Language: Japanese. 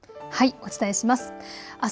お伝えします。